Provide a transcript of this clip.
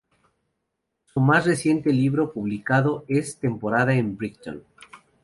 Su más reciente libro publicado es "Temporada en Brighton".